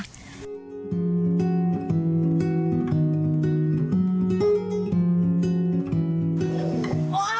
ที่นี่อ่า